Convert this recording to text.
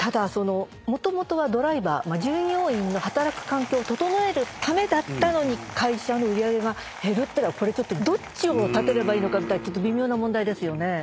もともとはドライバー従業員の働く環境を整えるためだったのに会社の売り上げが減るってのはどっちを立てればいいのかみたいな微妙な問題ですよね。